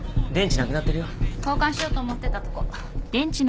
交換しようと思ってたとこ。